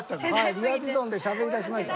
リア・ディゾンでしゃべりだしました。